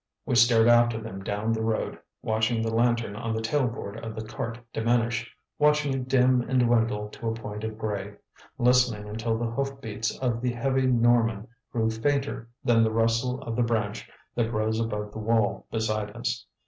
We stared after them down the road; watching the lantern on the tail board of the cart diminish; watching it dim and dwindle to a point of gray; listening until the hoof beats of the heavy Norman grew fainter than the rustle of the branch that rose above the wall beside us.